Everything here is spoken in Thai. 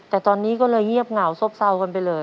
แต่ตอนนี้ก็เลยเงียบเหงาซบเศร้ากันไปเลย